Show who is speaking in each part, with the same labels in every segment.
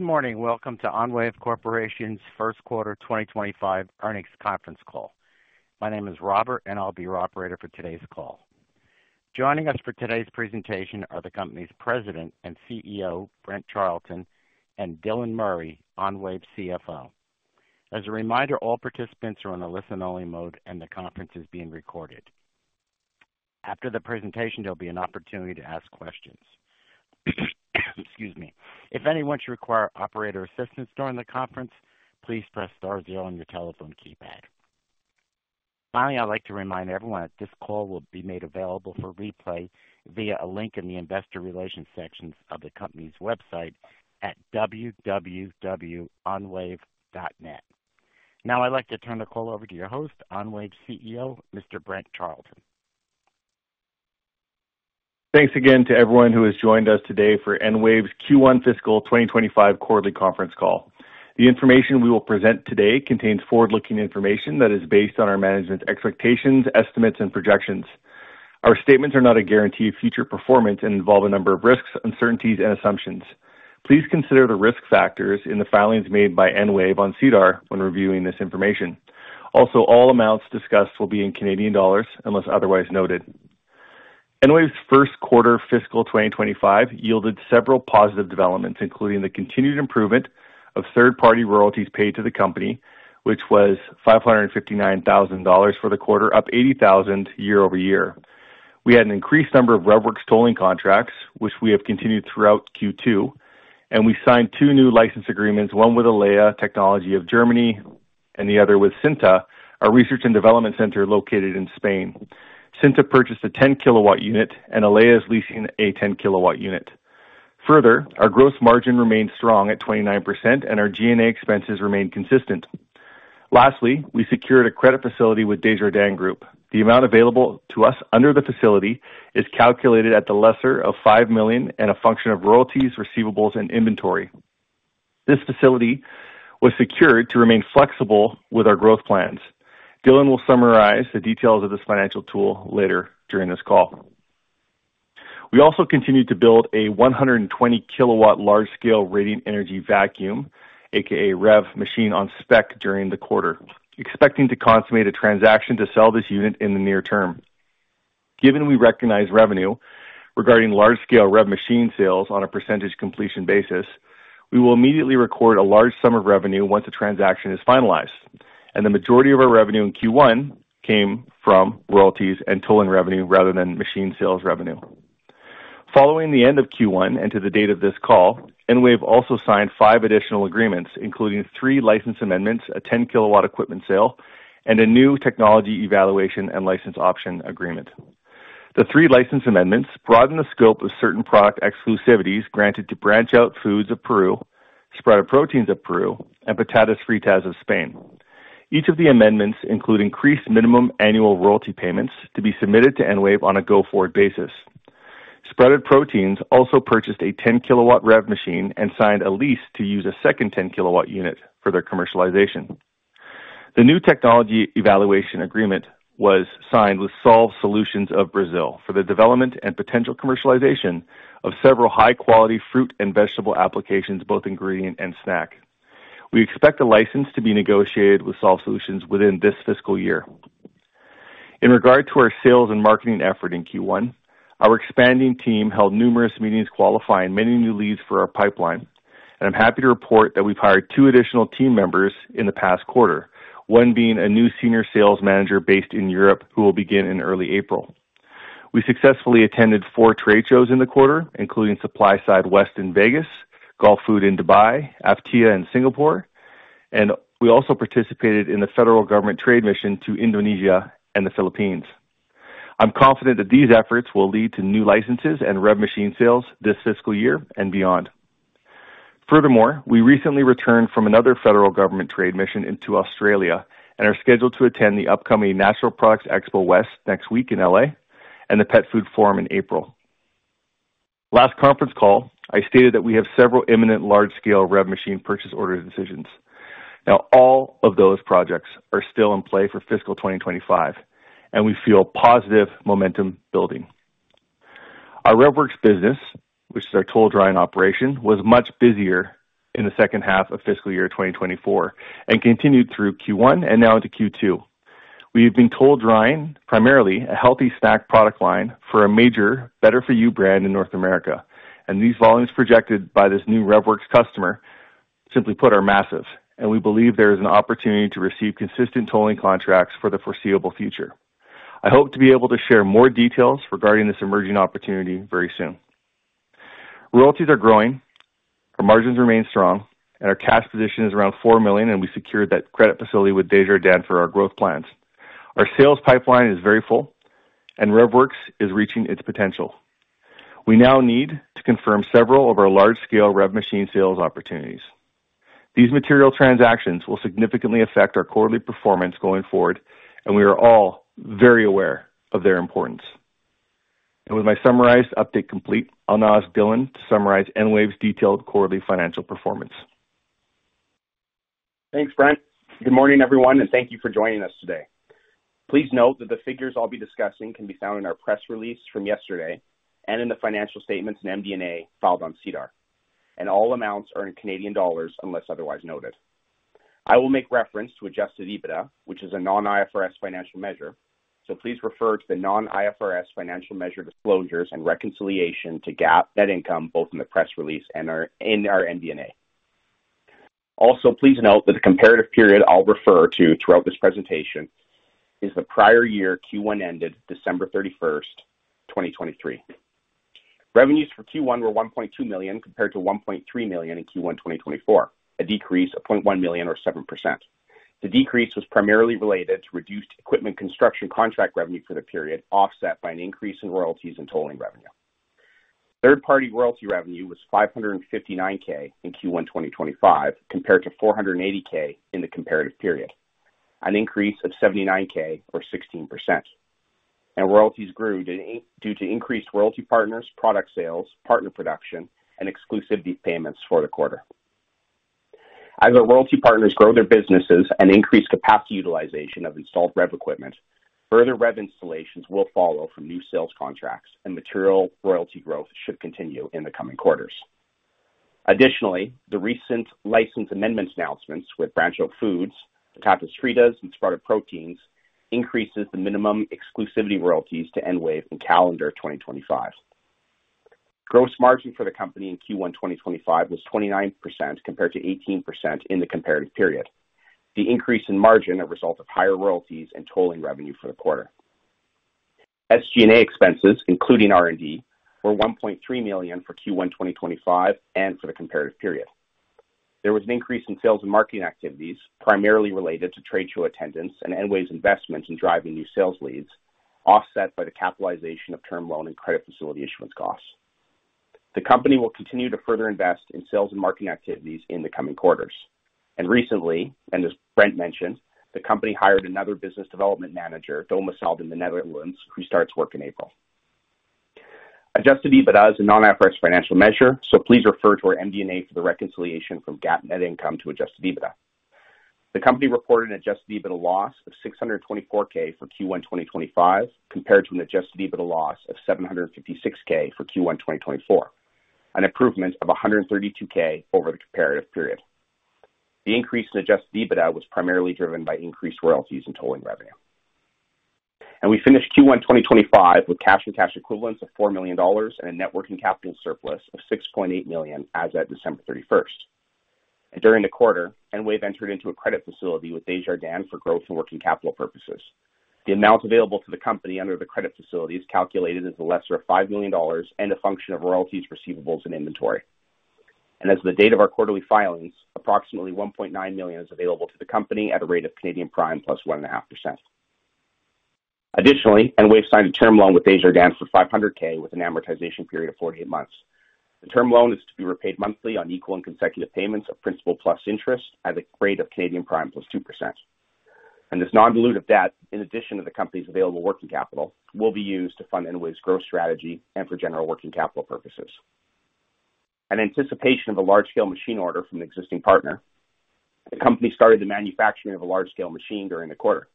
Speaker 1: Good morning. Welcome to EnWave Corporation's First Quarter 2025 Earnings Conference Call. My name is Robert, and I'll be your operator for today's call. Joining us for today's presentation are the company's President and CEO, Brent Charleton, and Dylan Murray, EnWave CFO. As a reminder, all participants are in the listen-only mode, and the conference is being recorded. After the presentation, there'll be an opportunity to ask questions. Excuse me. If any of you want to require operator assistance during the conference, please press star zero on your telephone keypad. Finally, I'd like to remind everyone that this call will be made available for replay via a link in the investor relations sections of the company's website at www.enwave.net. Now, I'd like to turn the call over to your host, EnWave CEO, Mr. Brent Charleton.
Speaker 2: Thanks again to everyone who has joined us today for EnWave's Q1 Fiscal 2025 Quarterly Conference Call. The information we will present today contains forward-looking information that is based on our management's expectations, estimates, and projections. Our statements are not a guarantee of future performance and involve a number of risks, uncertainties, and assumptions. Please consider the risk factors in the filings made by EnWave on SEDAR when reviewing this information. Also, all amounts discussed will be in CAD unless otherwise noted. EnWave's first quarter fiscal 2025 yielded several positive developments, including the continued improvement of third-party royalties paid to the company, which was 559,000 dollars for the quarter, up 80,000 year-over-year. We had an increased number of RevWorks tolling contracts, which we have continued throughout Q2, and we signed two new license agreements, one with Elea Technology of Germany and the other with CNTA, our research and development center located in Spain. CNTA purchased a 10-kW unit, and Elea is leasing a 10-kW unit. Further, our gross margin remained strong at 29%, and our G&A expenses remained consistent. Lastly, we secured a credit facility with Desjardins Group. The amount available to us under the facility is calculated at the lesser of 5 million and a function of royalties, receivables, and inventory. This facility was secured to remain flexible with our growth plans. Dylan will summarize the details of this financial tool later during this call. We also continued to build a 120-kW large-scale radiant energy vacuum, a.k.a. REV machine, on spec during the quarter, expecting to consummate a transaction to sell this unit in the near term. Given we recognize revenue regarding large-scale REV machine sales on a percentage completion basis, we will immediately record a large sum of revenue once the transaction is finalized, and the majority of our revenue in Q1 came from royalties and tolling revenue rather than machine sales revenue. Following the end of Q1 and to the date of this call, EnWave also signed five additional agreements, including three license amendments, a 10-kW equipment sale, and a new technology evaluation and license option agreement. The three license amendments broaden the scope of certain product exclusivities granted to BranchOut Foods of Peru, Spread of Proteins of Peru, and Patatas Fritas of Spain. Each of the amendments includes increased minimum annual royalty payments to be submitted to EnWave on a go-forward basis. Spread of Proteins also purchased a 10-kW REV machine and signed a lease to use a second 10-kW unit for their commercialization. The new technology evaluation agreement was signed with Solve Solutions of Brazil for the development and potential commercialization of several high-quality fruit and vegetable applications, both ingredient and snack. We expect the license to be negotiated with Solve Solutions within this fiscal year. In regard to our sales and marketing effort in Q1, our expanding team held numerous meetings qualifying many new leads for our pipeline, and I'm happy to report that we've hired two additional team members in the past quarter, one being a new senior sales manager based in Europe who will begin in early April. We successfully attended four trade shows in the quarter, including SupplySide West in Vegas, Gulfood in Dubai, AFTEA in Singapore, and we also participated in the federal government trade mission to Indonesia and the Philippines. I'm confident that these efforts will lead to new licenses and REV machine sales this fiscal year and beyond. Furthermore, we recently returned from another federal government trade mission into Australia and are scheduled to attend the upcoming Natural Products Expo West next week in LA and the Pet Food Forum in April. Last conference call, I stated that we have several imminent large-scale REV machine purchase order decisions. Now, all of those projects are still in play for fiscal 2025, and we feel positive momentum building. Our RevWorks business, which is our toll-drying operation, was much busier in the second half of fiscal year 2024 and continued through Q1 and now into Q2. We have been toll-drying primarily a healthy snack product line for a major Better For You brand in North America, and these volumes projected by this new RevWorks customer simply put are massive, and we believe there is an opportunity to receive consistent tolling contracts for the foreseeable future. I hope to be able to share more details regarding this emerging opportunity very soon. Royalties are growing, our margins remain strong, and our cash position is around 4 million, and we secured that credit facility with Desjardins Group for our growth plans. Our sales pipeline is very full, and RevWorks is reaching its potential. We now need to confirm several of our large-scale REV machine sales opportunities. These material transactions will significantly affect our quarterly performance going forward, and we are all very aware of their importance. With my summarized update complete, I'll now ask Dylan to summarize EnWave's detailed quarterly financial performance.
Speaker 3: Thanks, Brent. Good morning, everyone, and thank you for joining us today. Please note that the figures I'll be discussing can be found in our press release from yesterday and in the financial statements and MD&A filed on SEDAR, and all amounts are in CAD unless otherwise noted. I will make reference to adjusted EBITDA, which is a non-IFRS financial measure, so please refer to the non-IFRS financial measure disclosures and reconciliation to net income both in the press release and in our MD&A. Also, please note that the comparative period I'll refer to throughout this presentation is the prior year Q1 ended December 31, 2023. Revenues for Q1 were 1.2 million compared to 1.3 million in Q1 2024, a decrease of 0.1 million or 7%. The decrease was primarily related to reduced equipment construction contract revenue for the period offset by an increase in royalties and tolling revenue. Third-party royalty revenue was 559,000 in Q1 2025 compared to 480,000 in the comparative period, an increase of 79,000 or 16%. Royalties grew due to increased royalty partners, product sales, partner production, and exclusivity payments for the quarter. As our royalty partners grow their businesses and increase capacity utilization of installed REV equipment, further REV installations will follow from new sales contracts, and material royalty growth should continue in the coming quarters. Additionally, the recent license amendments announcements with BranchOut Foods, Patatas Fritas, and Spread of Proteins increased the minimum exclusivity royalties to EnWave in calendar 2025. Gross margin for the company in Q1 2025 was 29% compared to 18% in the comparative period. The increase in margin is a result of higher royalties and tolling revenue for the quarter. SG&A expenses, including R&D, were 1.3 million for Q1 2025 and for the comparative period. There was an increase in sales and marketing activities, primarily related to trade show attendance and EnWave's investment in driving new sales leads, offset by the capitalization of term loan and credit facility issuance costs. The company will continue to further invest in sales and marketing activities in the coming quarters. Recently, and as Brent mentioned, the company hired another business development manager, Douwe Salden, in the Netherlands, who starts work in April. Adjusted EBITDA is a non-IFRS financial measure, so please refer to our MD&A for the reconciliation from GAAP net income to adjusted EBITDA. The company reported an adjusted EBITDA loss of 624,000 for Q1 2025 compared to an adjusted EBITDA loss of 756,000 for Q1 2024, an improvement of 132,000 over the comparative period. The increase in adjusted EBITDA was primarily driven by increased royalties and tolling revenue. We finished Q1 2025 with cash and cash equivalents of 4 million dollars and a net working capital surplus of 6.8 million as of December 31. During the quarter, EnWave entered into a credit facility with Desjardins Group for growth and working capital purposes. The amount available to the company under the credit facility is calculated as the lesser of 5 million dollars and a function of royalties, receivables, and inventory. As of the date of our quarterly filings, approximately 1.9 million is available to the company at a rate of Canadian Prime plus 1.5%. Additionally, EnWave signed a term loan with Desjardins Group for 500,000 with an amortization period of 48 months. The term loan is to be repaid monthly in equal and consecutive payments of principal plus interest at a rate of Canadian Prime +2%. This non-dilutive debt, in addition to the company's available working capital, will be used to fund EnWave's growth strategy and for general working capital purposes. In anticipation of a large-scale machine order from an existing partner, the company started the manufacturing of a large-scale machine during the quarter.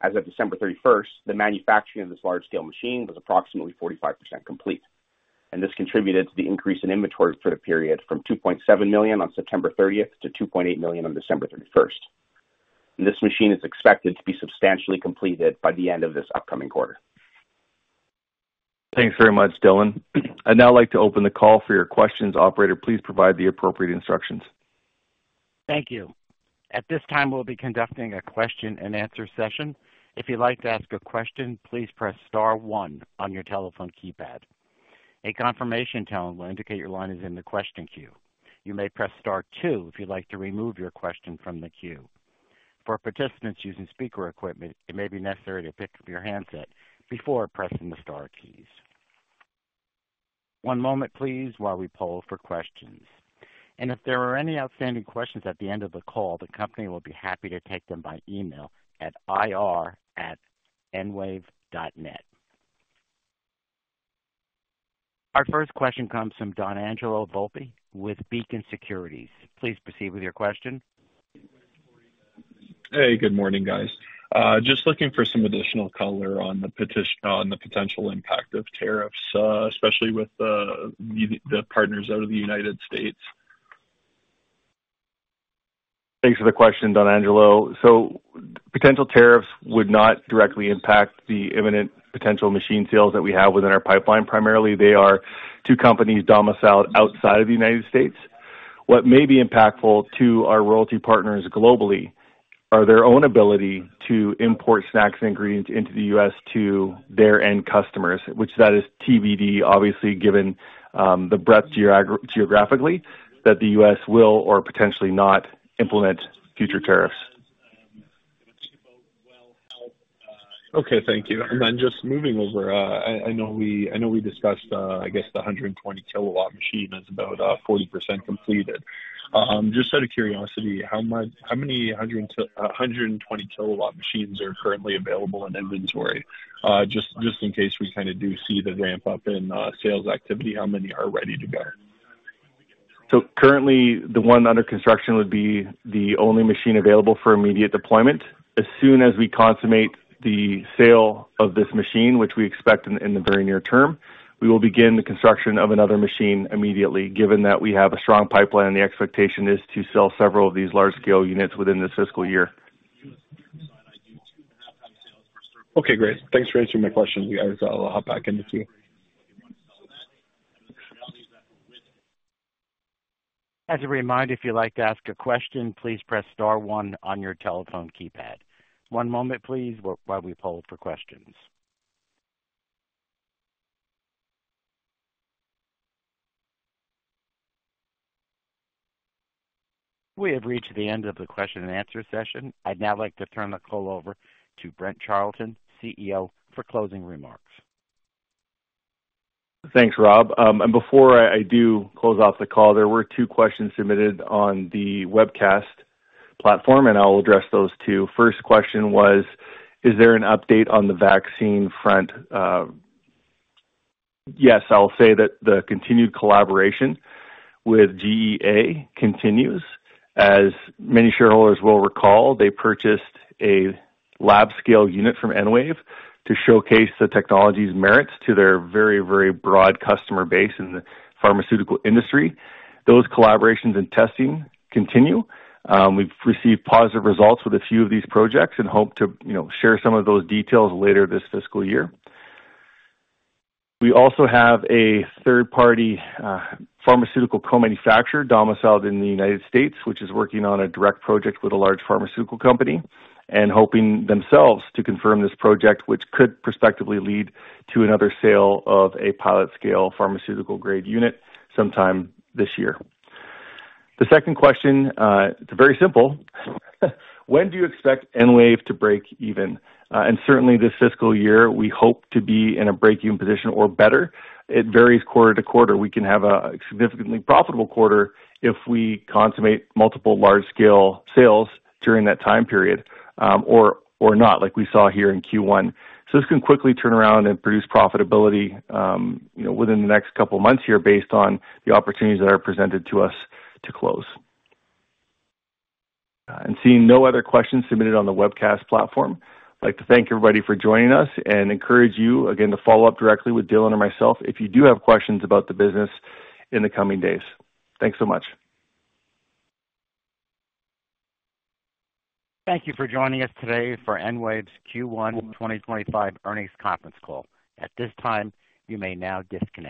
Speaker 3: As of December 31, the manufacturing of this large-scale machine was approximately 45% complete, and this contributed to the increase in inventory for the period from 2.7 million on September 30 to 2.8 million on December 31. This machine is expected to be substantially completed by the end of this upcoming quarter.
Speaker 2: Thanks very much, Dylan. I'd now like to open the call for your questions. Operator, please provide the appropriate instructions.
Speaker 1: Thank you. At this time, we'll be conducting a question-and-answer session. If you'd like to ask a question, please press star one on your telephone keypad. A confirmation tone will indicate your line is in the question queue. You may press star two if you'd like to remove your question from the queue. For participants using speaker equipment, it may be necessary to pick up your handset before pressing the star keys. One moment, please, while we poll for questions. If there are any outstanding questions at the end of the call, the company will be happy to take them by email at ir@enwave.net. Our first question comes from Donangelo Volpe with Beacon Securities. Please proceed with your question.
Speaker 4: Hey, good morning, guys. Just looking for some additional color on the potential impact of tariffs, especially with the partners out of the U.S.
Speaker 2: Thanks for the question, Donangelo. Potential tariffs would not directly impact the imminent potential machine sales that we have within our pipeline. Primarily, they are two companies domiciled outside of the U.S. What may be impactful to our royalty partners globally are their own ability to import snacks and ingredients into the U.S. to their end customers, which that is TBD, obviously, given the breadth geographically that the U.S. will or potentially not implement future tariffs.
Speaker 4: Okay, thank you. Just moving over, I know we discussed, I guess, the 120-kW machine is about 40% completed. Just out of curiosity, how many 120-kW machines are currently available in inventory? Just in case we kind of do see the ramp-up in sales activity, how many are ready to go?
Speaker 2: Currently, the one under construction would be the only machine available for immediate deployment. As soon as we consummate the sale of this machine, which we expect in the very near term, we will begin the construction of another machine immediately, given that we have a strong pipeline and the expectation is to sell several of these large-scale units within this fiscal year.
Speaker 4: Okay, great. Thanks for answering my question, guys. I'll hop back in with you.
Speaker 1: As a reminder, if you'd like to ask a question, please press star one on your telephone keypad. One moment, please, while we poll for questions. We have reached the end of the question-and-answer session. I'd now like to turn the call over to Brent Charleton, CEO, for closing remarks.
Speaker 2: Thanks, Rob. Before I do close out the call, there were two questions submitted on the webcast platform, and I'll address those two. First question was, is there an update on the vaccine front? Yes, I'll say that the continued collaboration with GEA continues. As many shareholders will recall, they purchased a lab-scale unit from EnWave to showcase the technology's merits to their very, very broad customer base in the pharmaceutical industry. Those collaborations and testing continue. We've received positive results with a few of these projects and hope to share some of those details later this fiscal year. We also have a third-party pharmaceutical co-manufacturer domiciled in the United States, which is working on a direct project with a large pharmaceutical company and hoping themselves to confirm this project, which could prospectively lead to another sale of a pilot-scale pharmaceutical-grade unit sometime this year. The second question, it's very simple. When do you expect EnWave to break even? Certainly, this fiscal year, we hope to be in a break-even position or better. It varies quarter-to-quarter. We can have a significantly profitable quarter if we consummate multiple large-scale sales during that time period or not, like we saw here in Q1. This can quickly turn around and produce profitability within the next couple of months here based on the opportunities that are presented to us to close. Seeing no other questions submitted on the webcast platform, I'd like to thank everybody for joining us and encourage you, again, to follow up directly with Dylan or myself if you do have questions about the business in the coming days. Thanks so much.
Speaker 1: Thank you for joining us today for EnWave's Q1 2025 Earnings Conference Call. At this time, you may now disconnect.